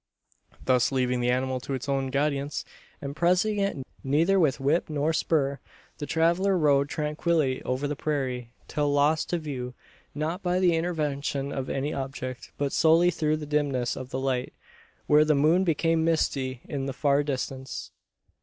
Thus leaving the animal to its own guidance, and pressing it neither with whip nor spur, the traveller rode tranquilly over the prairie, till lost to view not by the intervention of any object, but solely through the dimness of the light, where the moon became misty in the far distance.